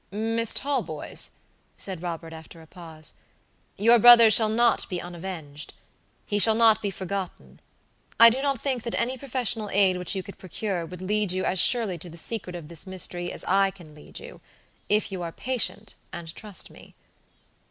"Miss Talboys," said Robert, after a pause, "your brother shall not be unavenged. He shall not be forgotten. I do not think that any professional aid which you could procure would lead you as surely to the secret of this mystery as I can lead you, if you are patient and trust me."